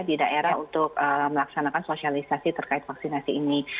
di daerah untuk melaksanakan sosialisasi terkait vaksinasi ini